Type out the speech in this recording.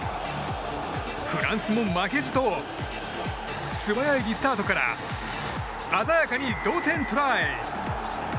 フランスも負けじと素早いリスタートから鮮やかに同点トライ！